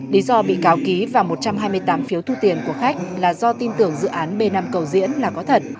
lý do bị cáo ký và một trăm hai mươi tám phiếu thu tiền của khách là do tin tưởng dự án b năm cầu diễn là có thật